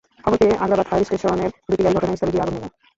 খবর পেয়ে আগ্রাবাদ ফায়ার স্টেশনের দুটি গাড়ি ঘটনাস্থলে গিয়ে আগুন নেভায়।